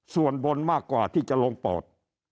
ส่วนบนมากกว่าที่จะลงปอด